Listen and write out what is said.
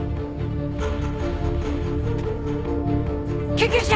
救急車！